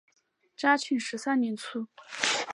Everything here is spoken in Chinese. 嘉庆十三年卒。